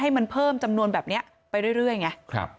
ให้มันเพิ่มจำนวนแบบนี้ไปเรื่อยไง